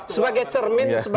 sebagai cermin untuk pemerintah